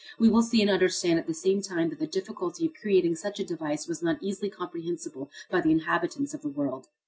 We will see and understand at the same time that the difficulty of creating such a device was not easily comprehensible by the inhabitants of the world.